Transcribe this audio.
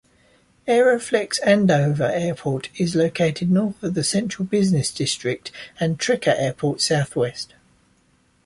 Aeroflex-Andover Airport is located north of the central business district and Trinca Airport, southwest.